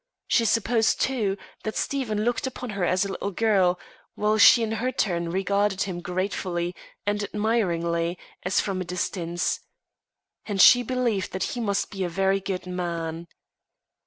She supposed, too, that Stephen looked upon her as a little girl, while she in her turn regarded him gratefully and admiringly, as from a distance. And she believed that he must be a very good man.